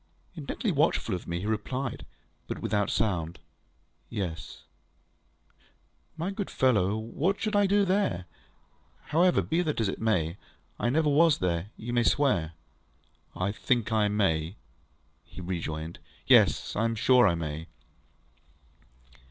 Intently watchful of me, he replied (but without sound), ŌĆ£Yes.ŌĆØ ŌĆ£My good fellow, what should I do there? However, be that as it may, I never was there, you may swear. ŌĆØ ŌĆ£I think I may, ŌĆØ he rejoined. ŌĆ£Yes; I am sure I may.